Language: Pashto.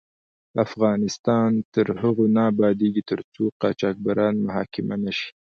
افغانستان تر هغو نه ابادیږي، ترڅو قاچاقبران محاکمه نشي.